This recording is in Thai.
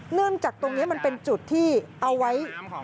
เนื่องจากตรงนี้มันเป็นจุดที่เอาไว้